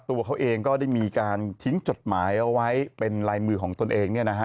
ตัวเขาเองก็ได้มีการทิ้งจดหมายเอาไว้เป็นลายมือของตนเองเนี่ยนะฮะ